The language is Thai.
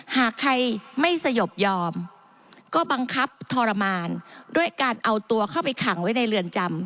หากใครไม่สยบยอมก็บังคับทรมานด้วยการเอาตัวเข้าไปขังไว้ในเรือนจำ